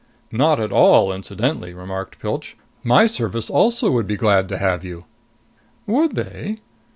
"Not at all incidentally," remarked Pilch, "my Service also would be glad to have you." "Would they?"